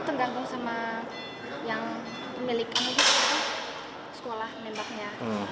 itu terganggu sama yang memiliki sekolah lembaknya